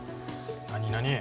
何何？